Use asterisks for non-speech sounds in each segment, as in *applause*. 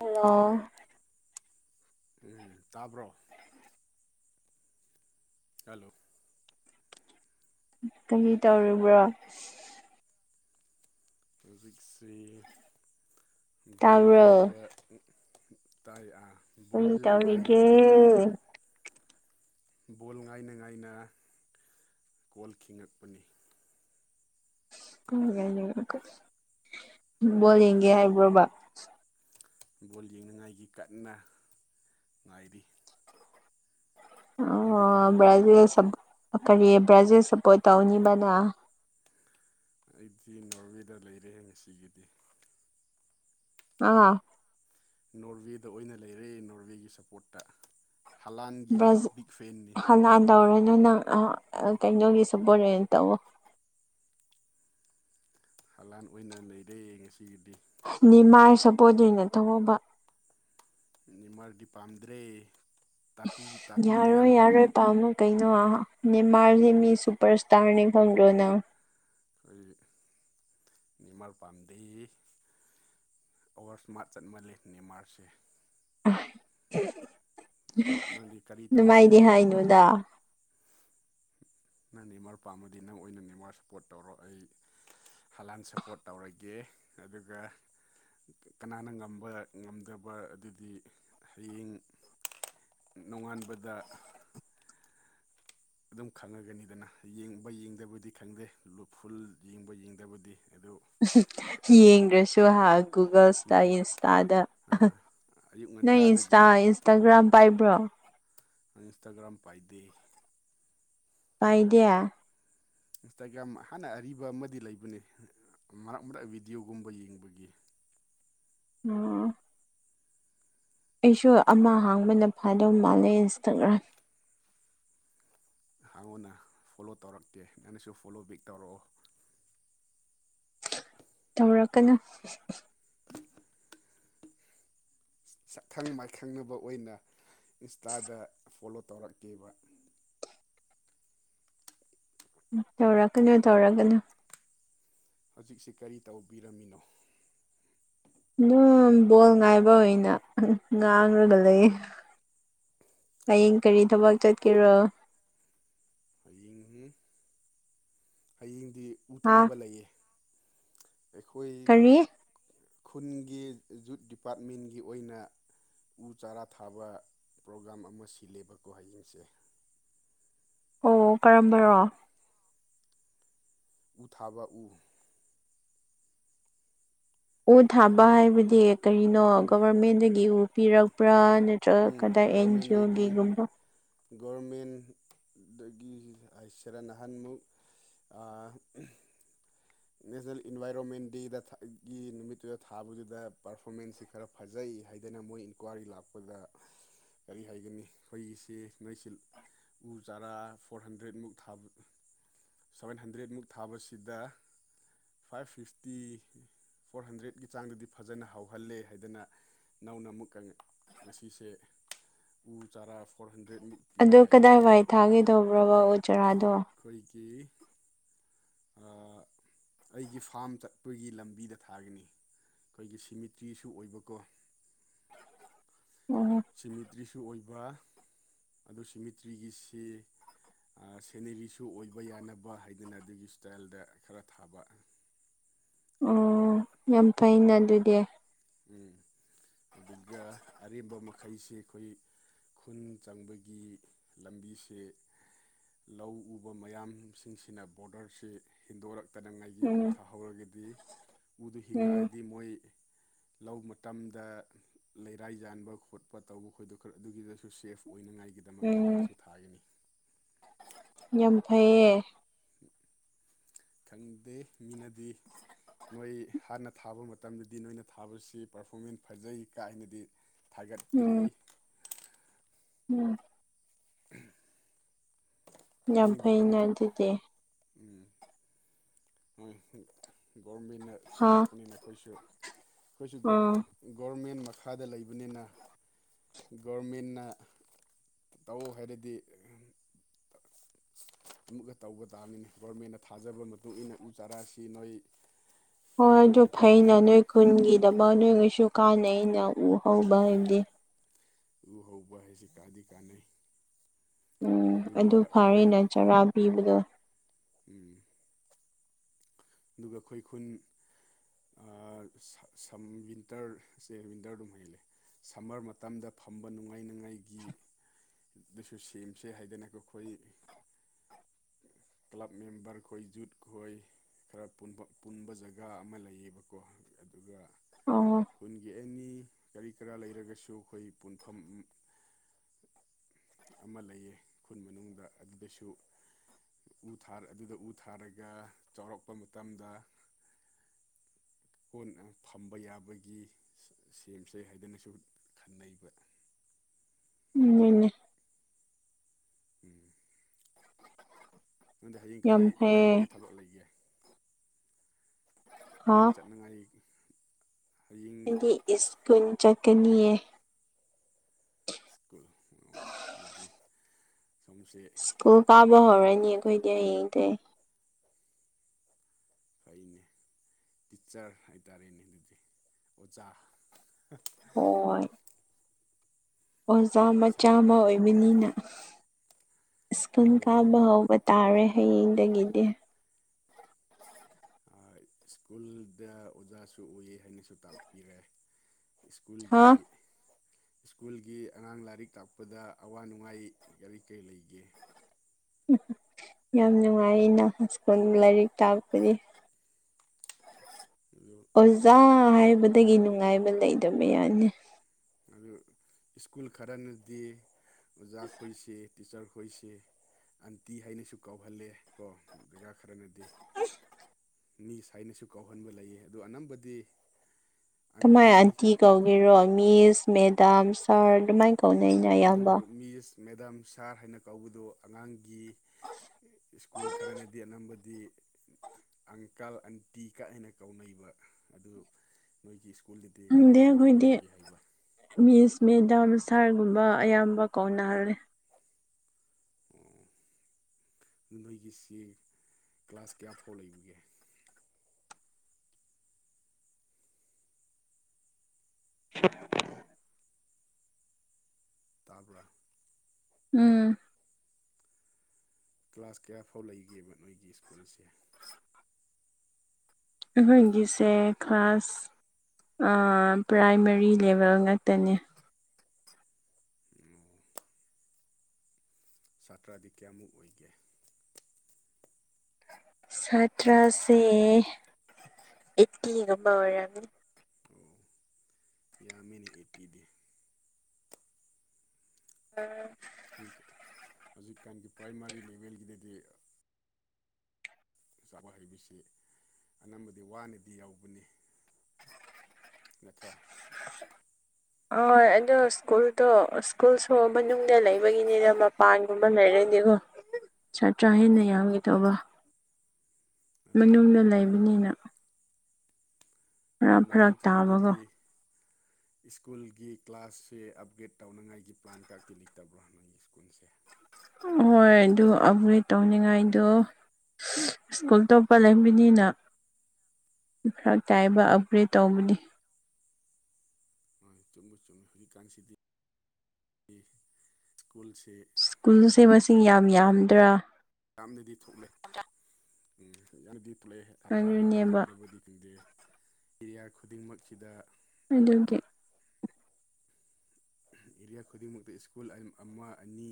Hello ꯎꯝ ꯇꯥꯕ꯭ꯔꯣ? Hello! ꯀꯔꯤ ꯇꯧꯔꯤꯕ꯭ꯔꯣ? ꯍꯧꯖꯤꯛꯁꯤ ꯕꯣꯜ ꯇꯥꯕ꯭ꯔꯣ ꯌꯦꯡꯕ ꯇꯥꯏ ꯕꯣꯜ ꯀꯔꯤ ꯉꯥꯏꯅ ꯇꯧꯔꯤꯒꯦ ꯉꯥꯏꯅ ꯕꯣꯜ ꯉꯥꯏꯅ ꯉꯥꯏꯅ ꯀꯣꯜ ꯈꯤꯡꯉꯛꯄꯅꯤ *unintelligible* ꯕ ꯣꯜ ꯌꯦꯡꯒꯦ ꯍꯥꯏꯕ꯭ꯔꯣꯕ ꯕꯣꯜ ꯌꯦꯡꯅꯉꯥꯏꯒꯤ ꯀꯟꯅ ꯉꯥꯏꯔꯤ ꯁꯣꯝꯗꯤ ꯑꯣ ꯀꯔꯤ ꯀꯔꯤ ꯕ꯭ꯔꯥꯖꯤꯜ ꯁꯞꯄ ꯀꯔꯤ ꯕ꯭ꯔꯥꯖꯤꯜ ꯁꯞꯄꯣꯔꯠ ꯇꯧꯅꯤꯕꯅ ꯑꯩꯗꯤ ꯅꯣꯔꯋꯦꯗ ꯂꯩꯔꯦ ꯉꯁꯤꯒꯤꯗꯤ ꯑ ꯅꯣꯔꯋꯦꯗ ꯑꯣꯏꯅ ꯂꯩꯔꯦ ꯅꯣꯔꯋꯦꯒꯤ ꯁꯞꯄꯣꯔꯠꯇ ꯍꯂꯥꯟꯒꯤ ꯕꯔꯥꯖꯤ ꯕꯤꯛ ꯐꯦꯟꯅꯤ ꯍꯂꯥꯟ ꯇꯧꯔꯅꯨ ꯅꯪ ꯑ ꯀꯩꯅꯣꯒꯤꯁꯨ ꯁꯄꫭꯔꯠ ꯔꯦꯟ ꯇꯧꯋꫭ ꯍꯂꯥꯟ ꯑꯣꯏꯅ ꯅꯩꯔꯦ ꯉꯁꯤꯒꯤꯗꯤ ꯅꯤꯃꯥꯏ ꯁꯄꯣꯗ ꯑꯣꯏꯅ ꯇꯧꯑꫭꯕ ꯅꯤꯃꯥꯜꯗꯤ ꯄꯥꯝꯗ꯭ꯔꯦ ꯇꯥꯇꯨ ꯇꯥꯇꯨ ꯃꯌꯥꯝ ꯌꯥꯔꯣꯏ ꯍꯛ ꯌꯥꯔꯣꯏ ꯄꯥꯝꯃꯨ ꯀꯩꯅꯣ ꯅꯤꯃꯥꯔꯅꯦ ꯃꯤ ꯁꯨꯄꯔꯁꯇꯥꯔꯅꯦ ꯈꯪꯗ꯭ꯔꯣ ꯅꯪ ꯑꯩ ꯅꯤꯃꯥꯔ ꯄꯥꯝꯗꯦ ꯑꯋꯥꯔꯁ꯭ꯃꯥꯠ ꯆꯠꯃꯜꯂꯦ ꯅꯦꯃꯥꯔꯁꯦ ꯅꯪꯗꯤ ꯀꯔꯤ ꯅꯨꯃꯥꯏꯗꯤ ꯇꯧꯔꯝꯃꯤꯅꯣ ꯍꯥꯏꯅꯨꯗ ꯅ ꯅꯦꯃꯥꯔ ꯄꯥꯝꯃꯗꯤ ꯅꯪ ꯑꯣꯏꯅ ꯅꯦꯃꯥꯔ ꯁꯄꯣꯔꯠ ꯇꯧꯔꯣ ꯑꯩ ꯍꯥꯂꯥꯟ ꯁꯄꯣꯔꯠ ꯇꯧꯔꯒꯦ ꯑꯗꯨꯒ ꯀꯅꯥꯅ ꯉꯝꯕ ꯉꯝꯗꯕ ꯑꯗꯨꯗꯤ ꯍꯌꯤꯡ ꯅꯣꯡꯉꯥꯟꯕꯗ ꯑꯗꯨꯝ ꯈꯪꯉꯒꯅꯤꯗꯅ ꯌꯦꯡꯕ ꯌꯦꯡꯗꯕꯨꯗꯤ ꯈꯪꯗꯦ ꯂꯨ ꯐꯨꯜ ꯌꯦꯡꯕ ꯌꯦꯡꯗꯕꯗꯤ ꯑꯗꯨ ꯌꯦꯡꯗ꯭ꯔꯁꯨ ꯍꯥ ꯒꯨꯒꯜꯁꯇ ꯎꯝ ꯏꯟꯁꯇꯥꯗ ꯑꯥ ꯑꯌꯨꯛ ꯉꯟꯇꯥꯗꯒꯨ ꯇꯥ ꯏꯟꯁꯇꯒ꯭ꯔꯥꯝ ꯄꯥꯏꯕ꯭ꯔꯣ ꯑꯩ ꯏꯟꯁꯇꯥꯒ꯭ꯔꯥꯝ ꯄꯥꯏꯗꯦ ꯄꯥꯏꯗꯦ ꯏꯟꯁꯇꯥꯒ꯭ꯔꯥꯝ ꯍꯥꯟꯅ ꯑꯔꯤꯕ ꯑꯃꯗꯤ ꯂꯩꯕꯅꯦ ꯃꯔꯛ ꯃꯔꯛ ꯕꯤꯗꯤꯌꯣꯒꯨꯝꯕ ꯌꯦꯡꯕꯒꯤ ꯑꯣ ꯑꯩꯁꯨ ꯑꯃ ꯍꯥꯡꯕꯅ ꯐꯗꯧ ꯃꯥꯜꯂꯦ ꯏꯟꯁꯇꯥꯒ꯭ꯔꯥꯝ ꯍꯥꯡꯉꯣꯅ ꯐꯣꯂꯣ ꯇꯧꯔꯛꯀꯦ ꯅꯪꯅꯁꯨ ꯐꯣꯂꯣ ꯕꯦꯛ ꯇꯧꯔꯑꯣ ꯇꯧꯔꯛꯀꯅꯨ ꯁꯛꯈꯪ ꯃꯥꯏꯈꯪꯅꯕ ꯑꯣꯏꯅ ꯏꯟꯁꯇꯥꯗ ꯐꯣꯂꯣ ꯇꯧꯔꯛꯀꯦꯕ ꯎꯝ ꯇꯧꯔꯛꯀꯅꯨ ꯇꯧꯔꯒꯅꯨ ꯍꯧꯖꯤꯛꯁꯤ ꯀꯔꯤ ꯇꯧꯕꯤꯔꯝꯃꯤꯅꯣ ꯗꯨꯝ ꯕꯣꯜ ꯉꯥꯏꯕ ꯑꯣꯏꯅ ꯉꯥꯡꯔꯒ ꯂꯩꯌꯦ ꯍꯌꯦꯡ ꯀꯔꯤ ꯎꯝ ꯊꯕꯛ ꯆꯠꯀꯦꯔꯣ ꯍꯌꯤꯡ ꯍꯌꯤꯡꯗꯤ ꯎ ꯍꯥ ꯊꯥꯕ ꯂꯩꯌꯦ ꯑꯩꯈꯣꯏ ꯀꯔꯤ ꯈꯨꯟꯒꯤ ꯖꯨꯠ ꯗꯤꯄꯥꯠꯃꯦꯟꯒꯤ ꯑꯣꯏꯅ ꯎ ꯆꯥꯔꯥ ꯊꯥꯕ ꯄ꯭ꯔꯣꯒꯥ꯭ꯔꯝ ꯑꯃ ꯁꯤꯜꯂꯦꯕꯀꯣ ꯍꯌꯦꯡꯁꯦ ꯑꯣ ꯀꯔꯝꯕꯔꯣ ꯎ ꯊꯥꯕ ꯎ ꯎ ꯊꯥꯕ ꯈꯨꯟ ꯍꯥꯏꯕꯗꯤ ꯀꯔꯤꯅꯣ ꯎ ꯒꯣꯕꯔꯃꯦꯟꯗꯒꯤ ꯎ ꯄꯤꯔꯛꯄ꯭ꯔꯥ ꯅꯠ ꯇ꯭ꯔ ꯎꯝ ꯀꯗꯥꯏ ꯑꯦꯟꯖꯤꯌꯣ ꯒꯣꯔꯃꯦꯟꯗꯒꯤ ꯒꯤꯒꯨꯝꯕ ꯒꯣꯔꯃꯦꯟꯗꯒꯤ ꯑꯥꯏꯁꯦꯔ ꯅꯍꯥꯟꯃꯨꯛ ꯑꯥ ꯅꯦꯖꯜ ꯏꯟꯚꯥꯏꯔꯣꯃꯦꯟ ꯗꯦꯗ ꯊꯥ ꯒꯤ ꯅꯨꯃꯤꯠꯇꯨꯗ ꯊꯥꯕꯗꯨꯗ ꯄꯔꯐꯣꯔꯃꯦꯟꯁꯤ ꯈꯔꯞ ꯐꯖꯩ ꯍꯥꯏꯗꯅ ꯃꯣꯏ ꯏꯟꯀ꯭ꯋꯥꯔꯤ ꯂꯥꯛꯄꯗ ꯀꯔꯤ ꯍꯥꯏꯒꯅꯤ ꯈꯣꯏꯒꯤꯁꯤ ꯅꯣꯏꯁꯤꯜ ꯎ ꯆꯥꯔꯥ ꯐꯣꯔ ꯍꯟꯗ꯭ꯔꯦꯠꯃꯨꯛ ꯊꯥꯕ ꯁꯚꯦꯟ ꯍꯟꯗ꯭ꯔꯦꯠꯃꯨꯛ ꯊꯥꯕꯁꯤꯗ ꯐꯥꯏꯚ ꯐꯤꯐꯇꯤ ꯐꯣꯔ ꯍꯟꯗ꯭ꯔꯦꯠꯀꯤ ꯆꯥꯡꯗꯗꯤ ꯐꯖꯅ ꯍꯧꯍꯜꯂꯦ ꯍꯥꯏꯗꯅ ꯅꯧꯅ ꯃꯨꯛꯀꯪ ꯉꯁꯤꯁꯦ ꯎ ꯆꯥꯔꯥ ꯐꯣꯔ ꯍꯟꯗ꯭ꯔꯦꯠꯃꯨꯛ ꯑꯗꯣ ꯀꯗꯥꯏꯋꯥꯏ ꯊꯥꯒꯦ ꯇꯧꯕ꯭ꯔꯕ ꯎ ꯆꯥꯔꯥꯗꯣ ꯈꯣꯏꯒꯤ ꯑ ꯑꯩꯒꯤ ꯐꯥꯝ ꯆꯠꯄꯒꯤ ꯂꯝꯕꯤꯗ ꯊꯥꯒꯅꯤ ꯈꯣꯏꯒꯤ ꯁꯤꯃꯤꯇ꯭ꯔꯤꯁꯨ ꯑꯣꯏꯕꯀꯣ ꯑꯣ ꯁꯤꯃꯤꯇ꯭ꯔꯤꯁꯨ ꯑꯣꯏꯕ ꯑꯗꯨ ꯁꯤꯃꯤꯇ꯭ꯔꯤꯒꯤꯁꯤ ꯑꯥ ꯁꯦꯅꯔꯤꯁꯨ ꯑꯣꯏꯕ ꯌꯥꯅꯕ ꯍꯥꯏꯗꯅ ꯑꯗꯨꯒꯤ ꯁ꯭ꯇꯥꯏꯜꯗ ꯈꯔ ꯊꯥꯕ ꯑꯗꯨꯒ ꯑꯣ ꯌꯥꯝ ꯐꯩꯅ ꯑꯗꯨꯗꯤ ꯎꯝ ꯑꯗꯨꯒ ꯑꯔꯦꯝꯕ ꯃꯈꯩꯁꯤ ꯑꯈꯣꯏ ꯈꯨꯟ ꯆꯪꯕꯒꯤ ꯂꯝꯕꯤꯁꯦ ꯂꯧ ꯎꯕ ꯃꯌꯥꯝꯁꯤꯡꯁꯤꯅ ꯕꯣꯔꯗꯔꯁꯤ ꯍꯦꯟꯗꯣꯔꯛꯇꯅ ꯉꯥꯏꯒꯤ ꯎ ꯎꯝ ꯊꯥꯍꯧꯔꯒꯗꯤ ꯎꯗꯨ ꯎꯝ ꯍꯤꯡꯉꯛꯑꯗꯤ ꯃꯣꯏ ꯂꯧ ꯃꯇꯝꯗ ꯂꯩꯔꯥꯏ ꯌꯥꯟꯕ ꯈꯣꯠꯄ ꯇꯧꯕ ꯈꯣꯏꯗꯨ ꯈꯔ ꯑꯗꯨꯒꯤꯗꯁꯨ ꯁꯦꯐ ꯑꯣꯏꯅ ꯉꯥꯏꯒꯤ ꯗꯃꯛꯇ ꯎꯝ ꯗꯨꯒꯤꯁꯨ ꯊꯥꯒꯅꯤ ꯌꯥꯝ ꯐꯩꯌꯦ ꯈꯪꯗꯦ ꯃꯤꯅꯗꯤ ꯅꯣꯏ ꯍꯥꯟꯅ ꯊꯥꯕ ꯃꯇꯝꯗꯗꯤ ꯅꯣꯏꯅ ꯊꯥꯕꯁꯤ ꯄꯔꯐꯣꯔꯃꯦꯟ ꯐꯖꯩ ꯀꯥꯏꯅꯗꯤ ꯊꯥꯒꯠꯄꯤꯔꯛꯏ ꯎꯝ ꯎꯝ *unintelligible* ꯌꯥꯝ ꯍꯌꯦꯡꯗꯤ ꯀꯔꯤ ꯐꯩꯅ ꯊꯛ ꯑꯗꯨꯗꯤ ꯎꯝ ꯎꯝ ꯒꯣꯔꯃꯦꯟꯅ ꯍꯥ ꯁꯤꯜꯂꯛꯄꯅꯤꯅ ꯑꯩꯈꯣꯏꯁꯨ ꯑꯩꯈꯣꯏꯁꯨ ꯒꯣ ꯑꯥ ꯒꯣꯔꯃꯦꯟ ꯃꯈꯥꯗ ꯂꯩꯕꯅꯤꯅ ꯒꯣꯔꯃꯦꯟꯅ ꯇꯧꯎ ꯍꯥꯏꯔꯗꯤ ꯑꯝ ꯑꯃꯨꯛꯀ ꯇꯧꯕ ꯇꯥꯕꯅꯤꯅ‌ꯦ ꯒꯣꯔꯃꯦꯟꯅ ꯊꯥꯖꯕ ꯃ ꯇꯨꯡ ꯏꯟꯅ ꯎ ꯆꯥꯔꯥꯁꯤ ꯅꯣꯏ ꯍꯣꯏ ꯖꯨꯠ ꯑꯗꯨ ꯐꯩꯅ ꯅꯣꯏ ꯗꯤꯄꯥꯔꯠꯃꯦꯟꯅ ꯈꯨꯟꯒꯤꯗꯃꯛ ꯅꯣꯏꯒꯩꯁꯨ ꯀꯥꯟꯅꯩꯅ ꯎ ꯍꯧꯕ ꯍꯥꯏꯕꯗꯤ ꯎ ꯍꯧꯕ ꯍꯥꯏꯁꯤ ꯀꯥꯗꯤ ꯀꯥꯟꯅꯩ ꯎꯝ ꯑꯗꯨꯒ ꯑꯗꯨ ꯑꯩꯈꯣꯏ ꯐꯔꯦꯅꯥ ꯆꯔꯥ ꯄꯤꯕꯗꯣ ꯎꯝ ꯗꯨꯒ ꯑꯈꯣꯏ ꯈꯨꯟ ꯑꯥ ꯁ ꯁꯝ ꯋꯤꯟꯇꯔꯁꯦ ꯋꯤꯟꯇꯔ ꯗꯨꯝ ꯍꯦꯜꯂꯦ ꯁꯝꯃꯔ ꯃꯇꯝꯗ ꯐꯝꯕ ꯅꯨꯡꯉꯥꯏꯅꯉꯥꯏꯒꯤ ꯗꯨꯁꯨ ꯁꯦꯝꯁꯦ ꯍꯥꯏꯗꯅꯀ‌ꯣ ꯈꯣꯏ ꯀ꯭ꯂꯕ ꯃꯦꯝꯕꯔ ꯈꯣꯏ ꯖꯨꯠ ꯈꯣꯏ ꯈꯔ ꯄꯨꯟꯕ ꯄꯨꯟꯕ ꯖꯒꯥ ꯑꯃ ꯂꯩꯏꯕꯀꯣ ꯑꯗꯨꯒ ꯑꯣ ꯈꯨꯟꯒꯤ ꯑꯦꯅꯤ ꯀꯔꯤ ꯀꯔꯥ ꯂꯩꯔꯒꯁꯨ ꯑꯈꯣꯏ ꯄꯨꯟꯐꯝ ꯎꯝ ꯑꯃ ꯂꯩꯌꯦ ꯈꯨꯟ ꯃꯅꯨꯡꯗ ꯑꯗꯨꯗꯁꯨ ꯎ ꯊꯥꯔ ꯑꯗꯨꯗ ꯎ ꯊꯥꯔꯒ ꯆꯥꯎꯔꯛꯄ ꯃꯇꯝꯗ *unintelligible* ꯐꯝꯕ ꯌꯥꯕꯒꯤ ꯁ‌ꯦ ꯁꯦꯝꯁ‌ꯦ ꯍꯥꯏꯗꯅꯁꯨ ꯈꯟꯅꯩꯕ ꯎꯝ ꯅ‌ꯣꯏꯅ‌ꯦ ꯎꯝ ꯅꯪꯗꯤ ꯍꯌꯦꯡ ꯌꯥꯝ ꯀꯔꯥꯏ ꯀꯔꯤ ꯐꯩꯌꯦ ꯀꯔꯤ ꯊꯕꯛ ꯂꯩꯒꯦ ꯍꯥ ꯍꯌꯦꯡ ꯆꯠꯅꯉꯥꯏ ꯍꯌꯦꯡ ꯑꯩꯗꯤ ꯏꯁꯀꯨꯟ ꯆꯠꯀꯅꯤꯌꯦ ꯁ꯭ꯀꯨꯜ ꯑꯣ ꯑꯗꯨꯗꯤ ꯁ‌ꯣꯝꯁꯦ ꯀꯨꯜ ꯀꯥꯕ ꯍꯧꯔꯅꯤ ꯑꯩꯈꯣꯏꯗꯤ ꯍꯌꯦꯡꯗꯩ ꯐꯩꯅꯦ ꯇꯤꯆꯔ ꯍꯥꯏꯇꯥꯔꯦꯅꯦ ꯑꯗꯨꯗꯤ ꯑꯣꯖꯥ ꯍꯣꯏ ꯑꯣꯖꯥ ꯃꯆꯥ ꯁꯥꯠ ꯑꯃ ꯑꯣꯏꯕꯅꯤꯅ ꯁ꯭ꯀꯨꯜ ꯑꯗꯨ ꯀꯥꯕ ꯍꯧꯕ ꯇꯥꯔꯦ ꯍꯌꯦꯡꯗꯒꯤꯗꯤ ꯑ ꯁ꯭ꯀꯨꯜꯗ ꯑꯣꯖꯥꯁꯨ ꯎꯌꯦ ꯍꯥꯏꯅꯁꯨ ꯇꯥꯛꯄꯤꯔꯦ ꯍꯥ ꯁ꯭ꯀꯨꯜꯒꯤ ꯁ꯭ꯀꯨꯜꯒꯤ ꯑꯉꯥꯡ ꯂꯥꯏꯔꯤꯛ ꯇꯥꯛꯄꯗ ꯑꯋꯥ ꯅꯨꯡꯉꯥꯏ ꯀꯔꯤ ꯀꯔꯤ ꯂꯩꯒꯦ ꯎꯝ ꯌꯥꯝ ꯅꯨꯡꯉꯥꯏꯌꯦꯅ ꯁ꯭ꯀꯨꯜ ꯂꯥꯏꯔꯤꯛ ꯇꯥꯛꯄꯗꯤ ꯑꯗꯣ ꯖꯥ ꯍꯥꯏꯕꯗꯒꯤ ꯅꯨꯡꯉꯥꯏꯕ ꯂꯩꯗꯕ ꯌꯥꯅꯤ ꯑꯗꯨ ꯁ꯭ꯀꯨꯜ ꯈꯔꯅꯗꯤ ꯑꯣꯖꯥ ꯈꯣꯏꯁꯤ ꯇꯤꯆꯔ ꯈꯣꯏꯁꯦ ꯑꯟꯇꯤ ꯍꯥꯏꯅꯁꯨ ꯀꯥꯎꯍꯜꯂꯦ ꯀꯣ ꯖꯒꯥꯥ ꯈꯔꯅ ꯗꯤ ꯃꯤ ꯁꯥꯏꯅꯁꯨ ꯀꯥꯎꯍꯟꯕ ꯂꯩꯌꯦ ꯑꯗꯨ ꯑꯅꯝꯕꯗꯤ ꯀꯃꯥꯏ ꯑꯟꯇꯤ ꯀꯧꯒꯔꯣ ꯃꯤꯁ ꯃꯦꯗꯥꯝ ꯁꯥꯔ ꯑꯗꯨꯃꯥꯏꯅ ꯀꯧꯅꯩꯅ ꯑꯗꯨ ꯑꯌꯥꯝꯕ ꯃꯤꯁ ꯃꯦꯗꯥꯝ ꯁꯥꯔ ꯍꯥꯏꯅ ꯀꯧꯕꯗꯨ ꯑꯉꯥꯡꯒꯤ ꯁ꯭ꯀꯨꯜ ꯈꯔꯅꯗꯤ ꯑꯅꯝꯕ ꯗꯤ ꯑꯪꯀꯜ ꯑꯟꯇꯤ ꯀꯥꯏꯅ ꯀꯧꯅꯩꯕ ꯑꯗꯨ ꯅꯣꯏꯒꯤ ꯁ꯭ꯀꯨꯜꯗꯗꯤ ꯈꯪꯗꯦ ꯀꯃꯥꯏꯅ ꯑꯩꯈꯣꯏꯗꯤ ꯀꯥꯎꯅꯒꯦ ꯍꯥꯏꯕ ꯃꯤꯁ ꯃꯦꯗꯥꯝ ꯁꯥꯔꯒꯨꯝꯕ ꯑꯌꯥꯝꯕ ꯀꯧꯅꯍꯜꯔꯦ ꯑꯣ ꯑꯗꯨ ꯅꯣꯏꯒꯤꯁꯤ ꯀ꯭ꯂꯥꯁ ꯀꯌꯥ ꯐꯥꯎ ꯂꯩꯕꯒꯦ *unintelligible* ꯇꯥꯕ꯭ꯔꯥ ꯎꯝ ꯀ꯭ꯂꯥꯁ ꯀꯌꯥ ꯐꯥꯎ ꯂꯩꯒꯦꯕ ꯅꯣꯏꯒꯤ ꯁ꯭ꯀꯨꯜꯁꯦ ꯎꯍꯣꯏꯒꯤꯁꯦ ꯀ꯭ꯂꯥꯁ ꯑ ꯄ꯭ꯔꯥꯏꯃꯔꯤ ꯂꯦꯚꯦꯜ ꯉꯇꯅꯦ ꯑꯣ ꯁꯥꯇ꯭ꯔꯗꯤ ꯀꯌꯥꯃꯨꯛ ꯑꯣꯏꯒꯦ ꯁꯥꯇ꯭ꯔꯁꯦ ꯑꯩꯠꯇꯤꯒꯨꯝꯕ ꯑꯣꯏꯔꯝꯅꯤ ꯑꯣ ꯌꯥꯝꯃꯤꯅꯦ ꯑꯩꯠꯇꯤꯗꯤ ꯑ ꯍꯧꯖꯤꯛꯀꯥꯟꯒꯤ ꯄ꯭ꯔꯥꯏꯃꯥꯔꯤ ꯂꯦꯚꯦꯜꯒꯤꯗꯗꯤ ꯆꯥꯕ ꯍꯩꯕꯁꯤ ꯑꯅꯝꯕꯗꯤ ꯋꯥꯅꯗꯤ ꯌꯥꯎꯕꯅꯤ ꯅꯠꯇ꯭ꯔꯣ ꯑꯣꯏ ꯑꯗꯣ ꯁ꯭ꯀꯨꯜꯗꯣ ꯁ꯭ꯀꯨꯜꯁꯨ ꯃꯅꯨꯡꯗ ꯂꯩꯕꯒꯤꯅꯤꯗ ꯃ ꯄꯥꯟꯒꯨꯝꯕ ꯂꯩꯔꯩꯅꯦꯀꯣ ꯁꯥꯇ꯭ꯔ ꯎꯝ ꯍꯦꯟꯅ ꯌꯥꯝꯒꯦ ꯇꯧꯕ ꯃꯅꯨꯡꯗ ꯑꯗꯨꯝ ꯅꯣꯏꯒꯤ ꯂꯩꯕꯅꯤꯅ ꯈꯔ ꯃꯊꯪ ꯐꯔꯛ ꯇꯥꯕꯀꯣ ꯆꯍꯤꯗꯗꯤ ꯁ꯭ꯀꯨꯜꯒꯤ ꯀ꯭ꯂꯥꯁꯁꯦ ꯑꯞꯒ꯭ꯔꯦꯗ ꯇꯧꯅꯉꯥꯏꯒꯤ ꯄ꯭ꯂꯥꯟ ꯀꯇꯤ ꯂꯩꯇꯕ꯭ꯔꯣ ꯅꯣꯏꯒꯤ ꯁ꯭ꯀꯨꯜꯁꯦ ꯍꯣꯏ ꯑꯗꯨ ꯑꯞꯒ꯭ꯔꯦꯗ ꯇꯧꯅꯤꯡꯉꯥꯏꯗꯣ ꯁ꯭ꯀꯨꯜ ꯇꯣꯞꯄ ꯂꯩꯕꯤꯅꯤꯅ ꯈꯔꯥꯛ ꯇꯥꯏꯕ ꯑꯞꯒ꯭ꯔꯦꯗ ꯇꯧꯕꯗꯤ ꯍꯣꯏ ꯆꯨꯝꯕꯨ ꯆꯨꯝꯃꯤ ꯍꯧꯖꯤꯛꯀꯥꯟꯁꯤꯗꯤ ꯁ꯭ꯀꯨꯜꯁꯦ ꯀꯨꯜꯁꯦ ꯃꯁꯤꯡ ꯌꯥꯝ ꯌꯥꯝꯗ꯭ꯔꯥ ꯌꯥꯝꯅꯗꯤ ꯊꯣꯛꯂꯦ ꯎꯝ ꯌꯥꯝꯅꯗꯤ ꯊꯣꯛꯂꯛꯑꯦ ꯁꯇ꯭ꯔꯥ ꯌꯥꯝꯕ ꯑꯗꯨꯅꯦꯕ ꯌꯥꯝꯗꯕꯗꯤ ꯈꯪꯗꯦ ꯑꯦꯔꯤꯌꯥ ꯈꯨꯗꯤꯡꯃꯛꯁꯤꯗ ꯑꯗꯨꯒꯤ ꯑꯦꯔꯤꯌꯥ ꯈꯨꯗꯤꯡꯃꯛꯇ ꯁ꯭ꯀꯨꯜ ꯑꯦꯝꯜ ꯑꯃ ꯑꯅꯤ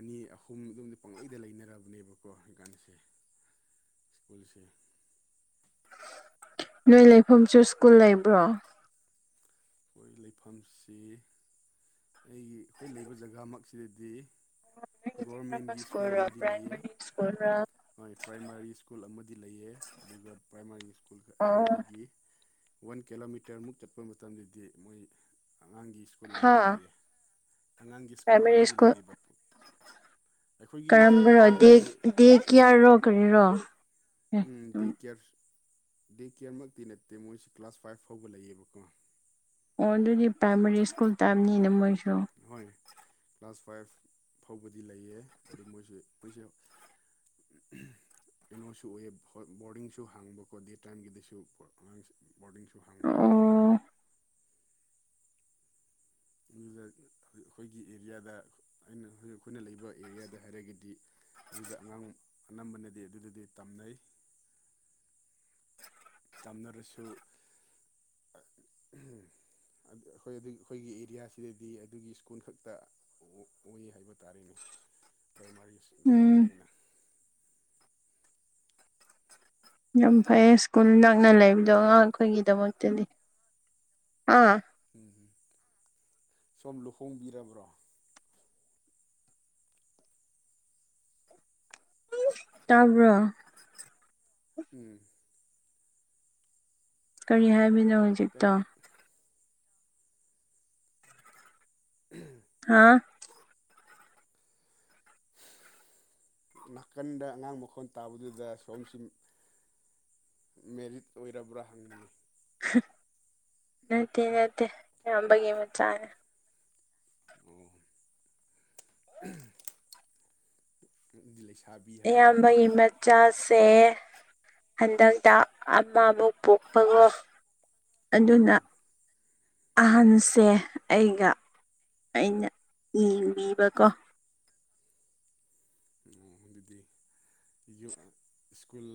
ꯑꯅꯤ ꯑꯍꯨꯝ ꯑꯗꯨꯝꯗꯤ ꯄꯪꯂꯩꯗ ꯂꯩꯅꯔꯕꯅꯦꯕꯀꯣ ꯍꯩꯀꯥꯟꯗꯁꯦ ꯁ꯭ꯀꯨꯜꯁꯦ ꯅꯣꯏ ꯂꯩꯐꯝꯁꯨ ꯁ꯭ꯀꯨꯜ ꯂꯩꯕ꯭ꯔꯣ ꯑꯩꯈꯣꯏ ꯂꯩꯐꯝꯁꯤ ꯑꯩꯒꯤ ꯑꯩꯈꯣꯏ ꯂꯩꯕ ꯖꯒꯥꯃꯛꯁꯤꯗꯗꯤ ꯒꯣꯔꯃꯦꯟꯒꯤ ꯁ꯭ꯀꯨꯜ ꯑꯃꯗꯤ ꯂꯩꯌꯦ ꯄꯨꯔ ꯍꯣꯏ ꯄ꯭ꯔꯥꯏꯃꯥꯔꯤ ꯁ꯭ꯀꯨꯜ ꯑꯃꯗꯤ ꯂꯩꯌꯦ ꯑꯗꯨꯒ ꯄ꯭ꯔꯥꯏꯃꯥꯔꯤ ꯁ꯭ꯀꯨꯜ ꯑꯣ ꯑꯗꯨꯗꯒꯤ *inaudible* ꯋꯥꯟ ꯀꯤꯂꯣꯃꯤꯇꯔ ꯃꯨꯛ ꯆꯠꯄ ꯃꯇꯝꯗꯗꯤ ꯃꯣꯏ ꯑꯉꯥꯡꯒꯤ ꯁ꯭ꯀꯨꯜ ꯍꯥ ꯑꯃꯗꯤ ꯂꯩꯌꯦ ꯑꯉꯥꯡꯒꯤ ꯁ꯭ꯀꯨꯜ ꯑꯃꯗꯤ ꯂꯩꯌꯦꯕ ꯑꯩꯈꯣꯏꯒꯤ ꯑꯩꯅ ꯂꯩ ꯀ꯭ꯌꯥꯔꯔꯣ ꯀꯔꯤꯔꯣ ꯑꯦ ꯎꯝ ꯗꯦ ꯀꯦꯌꯔ ꯗꯦ ꯀꯦꯌꯔꯃꯛꯇꯤ ꯅꯠꯇꯦ ꯃꯣꯏꯁꯤ ꯀ꯭ꯂꯥꯁ ꯐꯥꯏꯚ ꯐꯥꯎꯕ ꯂꯩꯌꯦꯕꯀꯣ ꯑꯣ ꯑꯗꯨꯗꯤ ꯄ꯭ꯔꯥꯏꯃꯥꯔꯤ ꯁ꯭ꯀꯨꯜ ꯇꯥꯏꯞꯅꯤꯅ ꯃꯣꯏꯁꯨ ꯍꯣꯏ ꯀ꯭ꯂꯥꯁ ꯐꯥꯏꯚ ꯐꯥꯎꯕꯗꯤ ꯂꯩꯌꯦ ꯑꯗꯨ ꯃꯣꯏꯁꯤ ꯃꯣꯏꯁꯦ ꯎꯝ ꯀꯩꯅꯣꯁꯨ ꯑꯣꯏꯌꯦ ꯍꯣꯏ ꯕꯣꯔꯗꯤꯡꯁꯨ ꯍꯥꯡꯕꯀꯣ ꯗꯦ ꯇꯥꯏꯝꯒꯤꯗꯁꯨ ꯄꯥ ꯑꯉꯥꯡꯁꯦ ꯕꯣꯔꯗꯤꯡꯁꯨ ꯍꯥꯡꯕ ꯑꯣ ꯑꯗꯨꯗ ꯑꯩꯈꯣꯏꯒꯤ ꯑꯦꯔꯤꯌꯥꯗ ꯑꯩꯅ ꯍꯧꯖꯤꯛ ꯑꯩꯈꯣꯏꯅ ꯂꯩꯕ ꯑꯦꯔꯤꯌꯥꯗ ꯍꯥꯏꯔꯒꯗꯤ ꯑꯗꯨꯗ ꯑꯉꯥꯡ ꯑꯅꯝꯕꯅꯗꯤ ꯑꯗꯨꯗꯗꯤ ꯇꯝꯅꯩ ꯇꯝꯅꯔꯁꯨ ꯑꯠ ꯑꯩꯈꯣꯏ ꯑꯗꯨ ꯑꯩꯈꯣꯏꯒꯤ ꯑꯦꯔꯤꯌꯥꯁꯤꯗꯗꯤ ꯑꯗꯨꯒꯤ ꯁ꯭ꯀꯨꯜ ꯈꯛꯇ ꯑꯣꯏ ꯍꯥꯏꯕ ꯇꯥꯔꯦꯅꯦ ꯄ꯭ꯔꯥꯏꯃꯥꯔꯤꯁ ꯎꯝ ꯂꯦꯚꯦꯜꯗꯅꯤꯅ ꯌꯥꯝ ꯐꯩꯌꯦ ꯁ꯭ꯀꯨꯜ ꯅꯛꯅ ꯂꯩꯕꯗꯣ ꯕ꯭ꯔꯣ ꯑꯉꯥꯡ ꯈꯩꯒꯤꯗꯃꯛꯇꯗꯤ ꯑꯥ ꯎꯝ ꯁꯣꯝ ꯂꯨꯍꯣꯡꯕꯤꯔꯕ꯭ꯔꯣ ꯇꯥꯕ꯭ꯔꯣ ꯎꯝ ꯀꯔꯤ ꯍꯥꯏꯕꯤꯅꯣ ꯍꯧꯖꯤꯛꯇ ꯍꯥꯥ ꯅꯥꯀꯟꯗ ꯑꯉꯥꯡ ꯃꯈꯣꯟ ꯇꯥꯕꯗꯨꯗ ꯁꯣꯝꯁꯤꯝ ꯃꯦꯔꯤꯠ ꯑꯣꯏꯔꯕ꯭ꯔꯥ ꯍꯪꯕꯅꯤ ꯅꯠꯇꯦ ꯅꯠꯇꯦ ꯏꯌꯥꯝꯕꯒꯤ ꯃꯆꯥꯅꯦ ꯑꯣ ꯅꯪꯗꯤ ꯂꯩꯁꯥꯕꯤ ꯍꯥꯏꯕ ꯇꯥꯔꯦꯅꯦ ꯑꯌꯥꯝꯕꯒꯤ ꯃꯠ ꯆꯥꯁꯦ ꯍꯟꯗꯛꯇ ꯑꯃꯃꯨꯛ ꯄꯣꯛꯄꯒꯣ ꯑꯗꯨꯅ ꯎꯝ ꯑꯍꯟꯁꯦ ꯑꯩꯒ ꯑꯩꯅ ꯌꯦꯡꯕꯤꯕꯀꯣ ꯑꯣ ꯑꯗꯨꯗꯤ ꯌꯨꯝ ꯑ ꯁ꯭ꯀꯨꯜ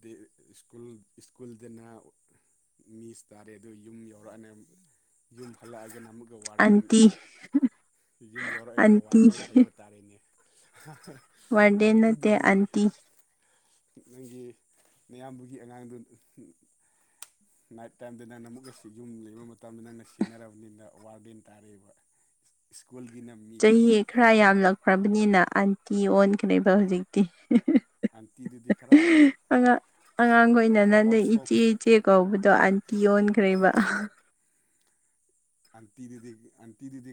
ꯗꯤ ꯁ꯭ꯀꯨꯜ ꯁ꯭ꯀꯨꯜꯗꯅꯥ ꯃꯤꯁ ꯇꯥꯔꯦ ꯑꯗꯨ ꯌꯨꯝ ꯌꯧꯔꯛꯑꯅꯦ ꯌꯨꯝ ꯍꯜꯂꯛꯑꯒꯅ ꯑꯃꯨꯛ ꯋꯥꯔꯗꯦꯟ ꯑꯟꯇꯤ ꯌꯨꯝ ꯌꯥꯎꯔꯛꯑꯅꯤꯒ ꯑꯟꯇꯤ ꯋꯥꯔꯗꯦꯟ ꯍꯥꯏꯕ ꯇꯥꯔꯦꯅꯦ꯫ ꯋꯥꯔꯗꯦꯟ ꯅꯠꯇꯦ ꯑꯟꯇꯤꯗꯨꯗꯤ ꯑꯟꯇꯤ ꯅꯪꯒꯤ ꯅꯌꯥꯝꯕꯒꯤ ꯑꯉꯥꯡꯗꯨ ꯅꯥꯏꯠ ꯇꯥꯏꯝꯗ ꯅꯪꯅ ꯑꯃꯨꯛꯀꯁꯤ ꯌꯨꯝ ꯂꯩꯕ ꯃꯇꯝꯗ ꯅꯪꯅ ꯁꯤꯟꯅꯔꯕꯅꯤꯅ ꯋꯥꯔꯗꯦꯟ ꯇꯥꯔꯦꯕ꯫ ꯁ꯭ꯀꯨꯜꯒꯤꯅ ꯃꯤꯁ ꯆꯍꯤ ꯈꯔ ꯌꯥꯝꯂꯛꯈ꯭ꯔꯕꯅꯤꯅ ꯑꯟꯇꯤ ꯑꯣꯟꯈ꯭ꯔꯦꯕ ꯍꯧꯖꯤꯛꯇꯤ꯫ ꯑꯟꯇꯤꯗꯨꯗꯤ ꯈꯔ ꯑꯉꯥ ꯑꯉꯥꯡꯈꯣꯏꯅ ꯅꯪꯗ ꯑꯥꯎꯠ ꯏꯁꯇꯣꯛ ꯏꯆꯦ ꯏꯆꯦ ꯀꯧꯕꯗꯣ ꯑꯟꯇꯤ ꯑꯣꯟ ꯈ꯭ꯔꯦꯕ ꯑꯟꯇꯤꯗꯨꯗꯤ ꯑꯟꯇꯤꯗꯤꯗꯤ